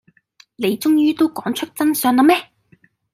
你終於都講出真相喇咩